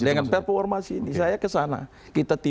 dengan perpu ormas ini saya ke sana